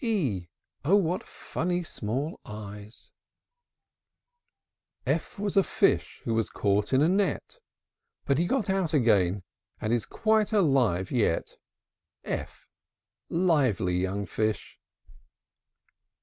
e! Oh, what funny small eyes! F F was a fish Who was caught in a net; But he got out again, And is quite alive yet. f! Lively young fish!